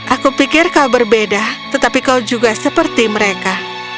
aku pikir kau berbeda tetapi kau juga seperti mereka